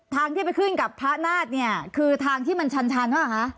ทางที่ไปขึ้นกับพระนาฏเนี่ยคือทางที่มันชันหรือเปล่าคะ